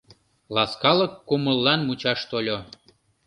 Ласкалык кумыллан мучаш тольо.